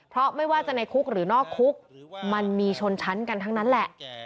เพราะไม่ว่าจะในคุกหรือนอกคุกมันมีชนชั้นกันทั้งนั้นแหละ